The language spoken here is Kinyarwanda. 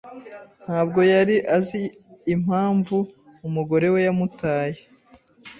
Ntabwo yari azi impamvu umugore we yamutaye.